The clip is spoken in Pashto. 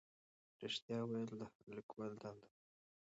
رښتیا ویل د هر لیکوال دنده ده.